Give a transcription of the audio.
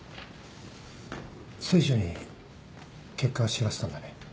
清舟に結果は知らせたんだね？